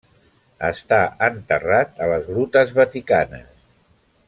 Està enterrat a les grutes vaticanes.